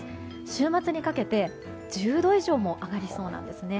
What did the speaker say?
週末にかけて１０度以上も上がりそうなんですね。